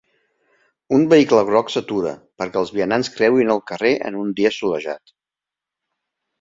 Un vehicle groc s'atura perquè els vianants creuin el carrer en un dia solejat.